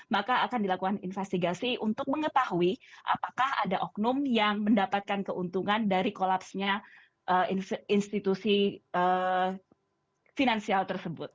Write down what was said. maka akan dilakukan investigasi untuk mengetahui apakah ada oknum yang mendapatkan keuntungan dari kolapsnya institusi finansial tersebut